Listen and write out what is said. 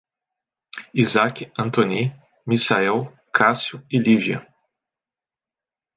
Isaque, Antoni, Misael, Cássio e Lívia